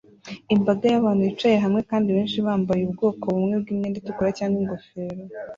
Imbaga y'abantu yicaye hamwe kandi benshi bambaye ubwoko bumwe bwimyenda itukura cyangwa ingofero